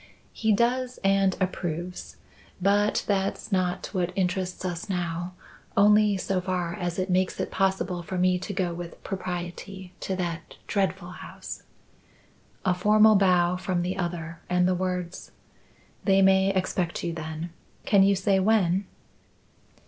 "He does and approves. But that's not what interests us now, only so far as it makes it possible for me to go with propriety to that dreadful house." A formal bow from the other and the words: "They may expect you, then. Can you say when?"